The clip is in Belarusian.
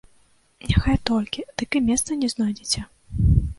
Няхай толькі, дык і месца не знойдзеце!